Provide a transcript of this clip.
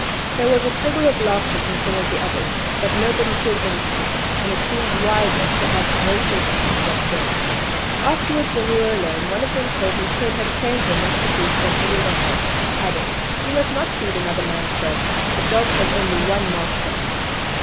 There was a snigger of laughter from some of the others, but nobody said anything, and it seemed wiser to ask no questions just then. Afterwards, when we were alone, one of them told me Ted had trained her not to feed from any one else, adding, "You must not feed another man's dog; a dog has only one master!"